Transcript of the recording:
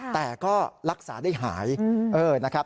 แต่ก็รักษาได้หายนะครับ